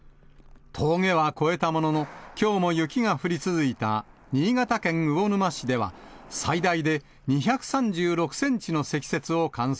峠は越えたものの、きょうも雪が降り続いた新潟県魚沼市では、最大で２３６センチの積雪を観測。